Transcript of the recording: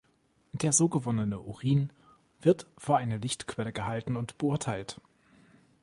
Der so gewonnene Urin wird vor eine Lichtquelle gehalten und beurteilt.